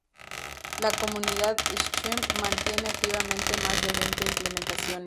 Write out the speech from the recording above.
La comunidad Scheme mantiene activamente más de veinte implementaciones.